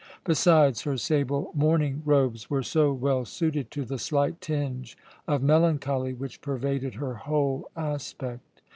Besides, her sable mourning robes were so well suited to the slight tinge of melancholy which pervaded her whole aspect.